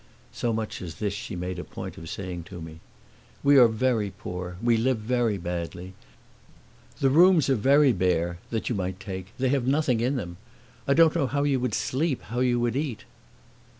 So much as this she made a point of saying to me. "We are very poor, we live very badly. The rooms are very bare that you might take; they have nothing in them. I don't know how you would sleep, how you would eat."